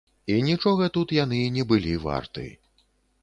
І нічога тут яны не былі варты.